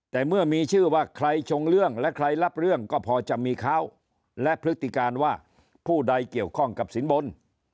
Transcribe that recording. แต่เมื่อมีชื่อว่าใครชงเรื่องและใครรับเรื่องก็พอจะมีเขาและพฤติการว่าผู้ใดเกี่ยวข้องกับสินบน